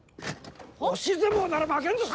押し相撲なら負けんぞ！